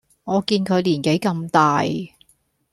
我見佢年紀咁大